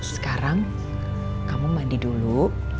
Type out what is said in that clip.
sekarang kamu mandi dulu